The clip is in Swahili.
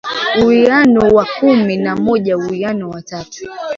uwiano wa kumi na moja uwiano wa tatu